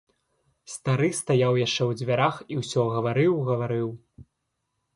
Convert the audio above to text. Стары стаяў яшчэ ў дзвярах і ўсё гаварыў, гаварыў.